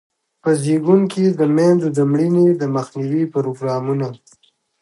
په زیږون کې د میندو د مړینې د مخنیوي پروګرامونه.